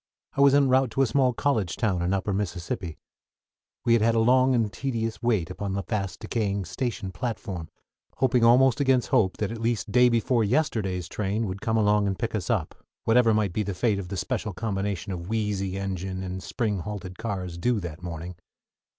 I was en route to a small college town in Upper Mississippi. We had had a long and tedious wait upon the fast decaying station platform, hoping almost against hope that at least day before yesterday's train would come along and pick us up, whatever might be the fate of the special combination of wheezy engine and spring halted cars due that morning.